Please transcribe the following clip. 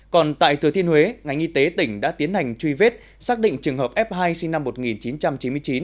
còn tại thừa thiên huế ngành y tế tỉnh đã tiến hành truy vết xác định trường hợp f hai sinh năm một nghìn chín trăm chín mươi chín